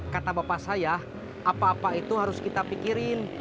kata bapak saya apa apa itu harus kita pikirin